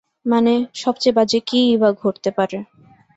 মানে, সবচেয়ে বাজে কী-ই বা ঘটতে পারে?